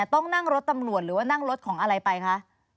ต้องนั่งรถตำรวจหรือว่านั่งรถของอะไรไปคะ